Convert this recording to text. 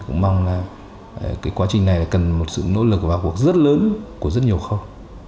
cũng mong là cái quá trình này cần một sự nỗ lực và cuộc rất lớn của rất nhiều khâu